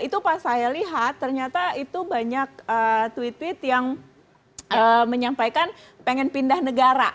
itu pas saya lihat ternyata itu banyak tweet tweet yang menyampaikan pengen pindah negara